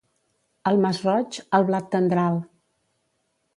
Al Masroig, el blat tendral.